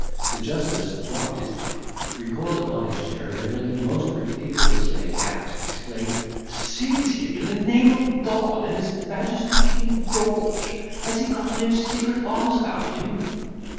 The justice dropped his pipe, recoiled upon his chair, and, looking most ridiculously aghast, exclaimed, "Seize him, in the name of God and his Majesty King George! Has he got no secret arms about him!"